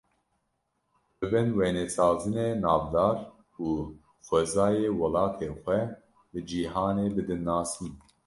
Bibin wênesazine navdar û xwezaya welatê xwe bi cîhanê bidin nasîn!